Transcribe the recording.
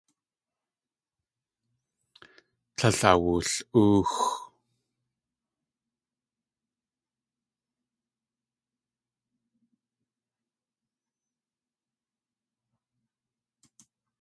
Tlél awul.óox.